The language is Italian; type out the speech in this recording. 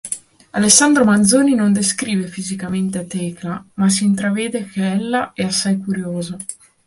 Alessandro Manzoni non descrive fisicamente Tecla ma si "intravede" che ella è assai curiosa.